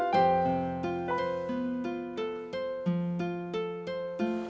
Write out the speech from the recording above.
kok gak abis sih